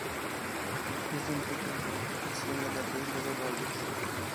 Esto implica la aplicación de la regla de Bayes.